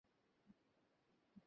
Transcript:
সুতরাং এ জিনিষ লোপ পেয়ে যাবে।